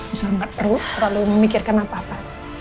bu sarah gak perlu terlalu memikirkan apa apa